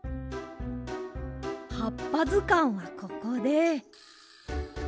「はっぱずかん」はここで。